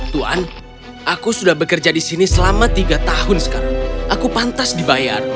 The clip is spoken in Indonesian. tuan aku sudah bekerja di sini selama tiga tahun sekarang aku pantas dibayar